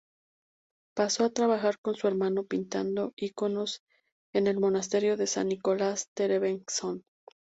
Pasó a trabajar con su hermano pintando iconos en el Monasterio de San Nicolás-Terebenskom.